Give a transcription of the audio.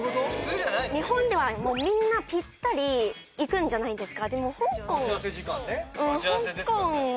日本ではみんなピッタリ行くじゃないですか。